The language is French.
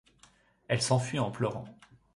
Elle s'enfuit en pleurant.